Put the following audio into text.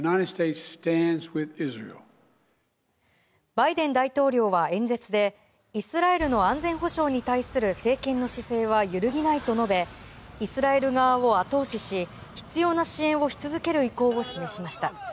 バイデン大統領は演説でイスラエルの安全保障に対する政権の姿勢は揺るぎないと述べイスラエル側を後押しし必要な支援をし続ける意向を示しました。